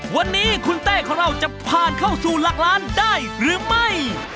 วันนี้คุณเต้ของเราจะผ่านเข้าสู่หลักล้านได้หรือไม่